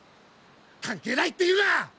関係ないって言うな！